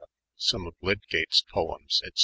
some of Lydgato's Poems, &o.